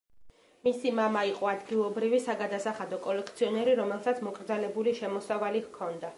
მისი მამა იყო ადგილობრივი საგადასახადო კოლექციონერი, რომელსაც მოკრძალებული შემოსავალი ჰქონდა.